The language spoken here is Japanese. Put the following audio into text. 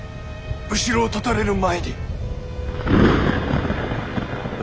後ろを断たれる前に。